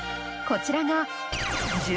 こちらが。